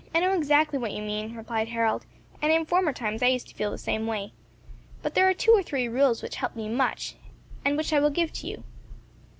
"I know exactly what you mean," replied Harold, "and in former times I used to feel the same way. But there are two or three rules which helped me much, and which I will give to you.